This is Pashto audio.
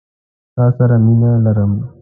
تا سره مينه لرم